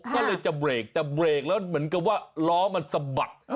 ก็เลยจะเบรกแต่เบรกแล้วเหมือนกับว่าล้อมันสะบัด